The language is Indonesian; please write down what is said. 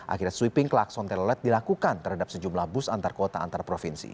akhirnya sweeping klakson telolet dilakukan terhadap sejumlah bus antar kota antar provinsi